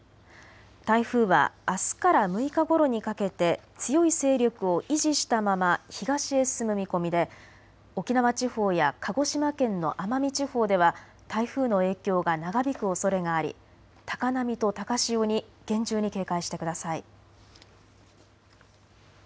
台風はあすから６日ごろにかけて強い勢力を維持したまま東へ進む見込みで沖縄地方や鹿児島県の奄美地方では台風の影響が長引くおそれがあり高波と高潮に厳重に警戒してください。